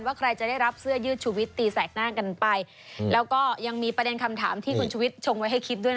ใครจะได้รับเสื้อยืดชุวิตตีแสกหน้ากันไปแล้วก็ยังมีประเด็นคำถามที่คุณชุวิตชงไว้ให้คิดด้วยนะ